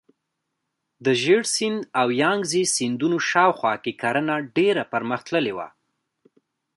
د ژیړ سیند او یانګزي سیندونو شاوخوا کې کرنه ډیره پرمختللې وه.